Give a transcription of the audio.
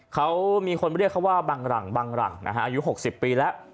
เขามีคนเรียกเขาบางรังอายุ๖๐ปีแล้ว